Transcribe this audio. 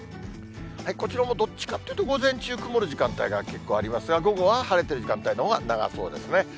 こちらもどっちかっていうと、午前中、曇る時間帯が結構ありますが、午後は晴れてる時間帯のほうが長そうですね。